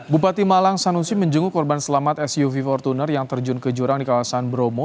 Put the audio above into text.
bupati malang sanusi menjenguk korban selamat suv fortuner yang terjun ke jurang di kawasan bromo